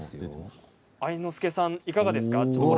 愛之助さん、いかがですか。